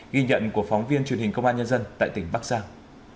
ghi nhận của phóng viên truyền hình công an nhân dân tại tỉnh bắc giang